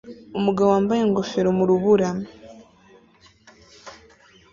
Umugabo wambaye ingofero mu rubura